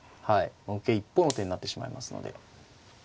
受け一方の手になってしまいますので。